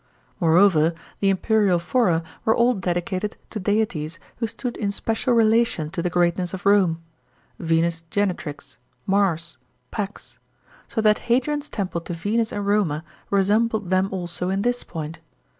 Moreover, the imperial fora were all dedicated to deities who stood in special relation to the greatness of Rome — Venus Genetrix, Mars, Pax ; so that Hadrian's temple to Venus and Roma resembled them also iu this point.